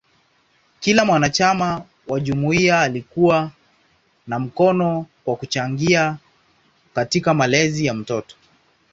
Kila mwanachama wa jumuiya alikuwa na mkono kwa kuchangia katika malezi ya mtoto.